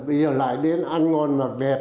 bây giờ lại đến ăn ngon mặc đẹp